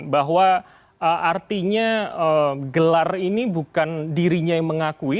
bahwa artinya gelar ini bukan dirinya yang mengakui